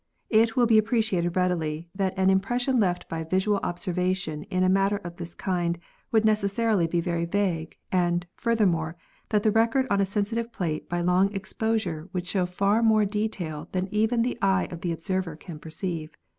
It will be appreciated readily that an impression left by visual observation in a matter of this kind would necessarily be very vague, and, furthermore, that the record on a sensitive plate by long exposure would show far more detail than even the eye of the observer can perceive.